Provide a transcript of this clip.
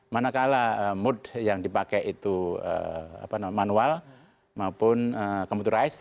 manakala mood yang dipakai itu manual maupun computerized